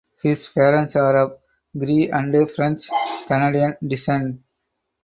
His parents are of Cree and French Canadian descent.